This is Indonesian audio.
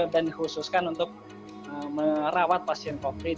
dan dikhususkan untuk merawat pasien konkret